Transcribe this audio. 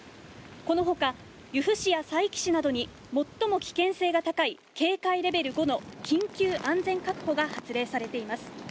このほか、由布市や佐伯市などに最も危険が高い警戒レベル５の緊急安全確保が発令されています。